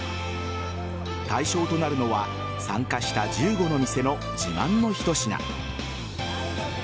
対象となるのは参加した１５の店の自慢の一品。